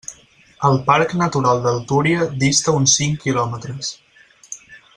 El Parc Natural del Túria dista uns cinc quilòmetres.